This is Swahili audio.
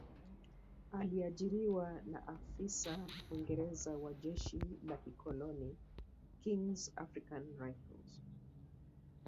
Aliajiriwa na afisa Mwingereza wa jeshi la kikoloni Kings African Rifles